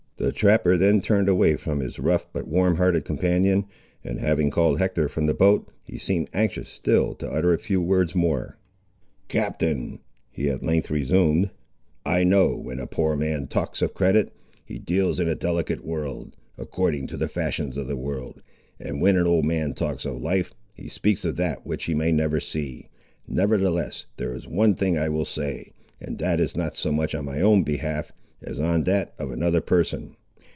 The trapper then turned away from his rough but warm hearted companion; and, having called Hector from the boat, he seemed anxious still to utter a few words more. "Captain," he at length resumed, "I know when a poor man talks of credit, he deals in a delicate word, according to the fashions of the world; and when an old man talks of life, he speaks of that which he may never see; nevertheless there is one thing I will say, and that is not so much on my own behalf as on that of another person.